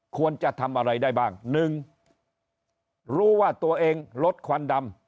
ควรจะทำอะไรได้บ้าง๑รู้ว่าตัวเองลดควันดำ